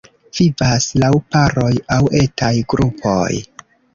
Vivas laŭ paroj aŭ etaj grupoj.